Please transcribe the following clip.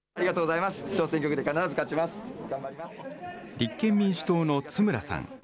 立憲民主党の津村さん。